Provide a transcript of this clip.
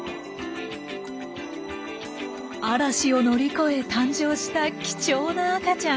嵐を乗り越え誕生した貴重な赤ちゃん。